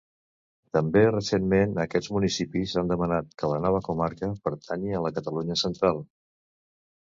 També recentment, aquests municipis han demanat que la nova comarca pertanyi a la Catalunya central.